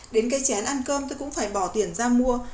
đến cây chén ăn cơm tôi cũng phải bỏ tiền ra mua